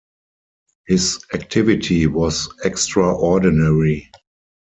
His activity was extraordinary.